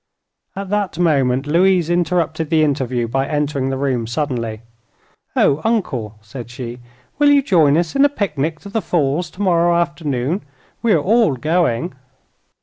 At that moment Louise interrupted the interview by entering the room suddenly. "Oh, Uncle," said she, "will you join us in a picnic to the Falls tomorrow afternoon? We are all going."